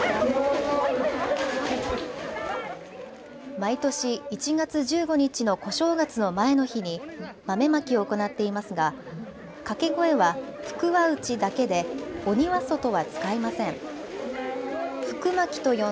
毎年、１月１５日の小正月の前の日に豆まきを行っていますが掛け声は福は内だけで鬼は外は使いません。